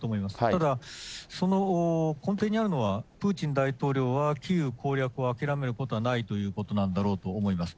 ただその根底にあるのは、プーチン大統領はキーウ攻略を諦めることはないということなんだろうと思います。